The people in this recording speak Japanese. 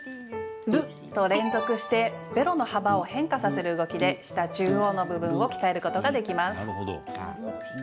「る」と連続してベロの幅を変化させる動きで舌の中央部分を鍛えることができます。